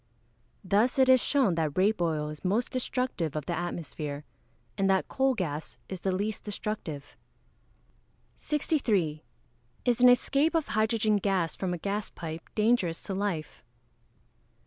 Thus it is shown that rape oil is most destructive of the atmosphere, and that coal gas is the least destructive. 63. _Is an escape of hydrogen gas from a gas pipe dangerous to life?